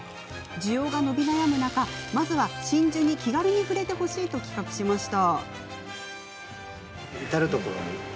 需要が伸び悩む中まずは真珠を身近に触れてほしいと企画しました。